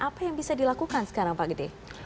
apa yang bisa dilakukan sekarang pak gede